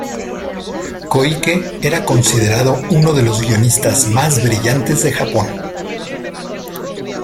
Koike era considerado uno de los guionistas más brillantes de Japón.